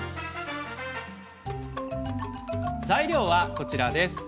材料は、こちらです。